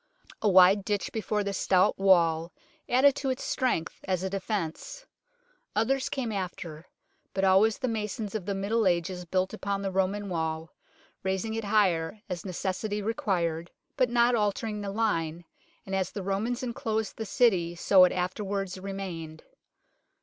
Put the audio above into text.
A wide ditch before the stout wall added to its strength as a defence. Others came after, but always the masons of the Middle Ages built upon the Roman wall, raising it higher as necessity required but not altering the line, and as the Romans enclosed the City so it afterwards remained.